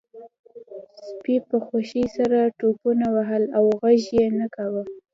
سپي په خوښۍ سره ټوپونه وهل او غږ یې کاوه